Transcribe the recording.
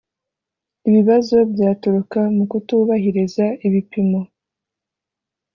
ibibazo byaturuka mu kutubahiriza ibipimo